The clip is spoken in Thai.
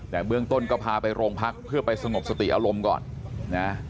แต่เบื้องต้นก็พาไปโรงพักเพื่อไปสงบสติอารมณ์ก่อนนะ